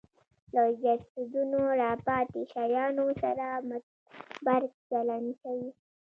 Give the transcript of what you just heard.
له جسدونو راپاتې شیانو سره متبرک چلند کوي